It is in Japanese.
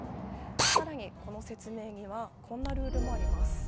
更に、この説明にはこんなルールもあります。